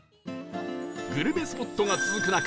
グルメスポットが続く中